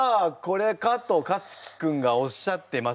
「これか？」とかつき君がおっしゃってます。